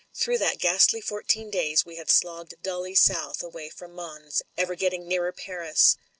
Through that ghastly fourteen days we had slogged dully south away from Mons, ever getting nearer Paris.